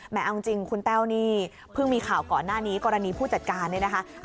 เอาจริงคุณแต้วนี่เพิ่งมีข่าวก่อนหน้านี้กรณีผู้จัดการเนี่ยนะคะ